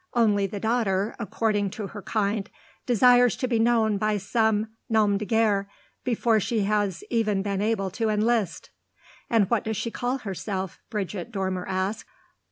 Only the daughter, according to her kind, desires to be known by some nom de guerre before she has even been able to enlist." "And what does she call herself?" Bridget Dormer asked.